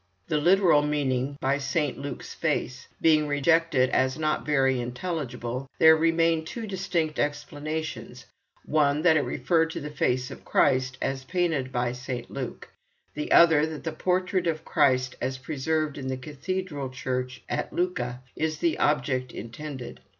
The literal meaning, "by Saint Luke's face," being rejected as not very intelligible, there remain two distinct explanations: one that it referred to the face of Christ as painted by St. Luke, the other that the portrait of Christ as preserved in the cathedral church at Lucca is the object intended.